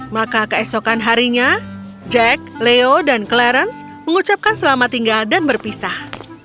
maka keesokan harinya jack leo dan clarence mengucapkan selamat tinggal dan berpisah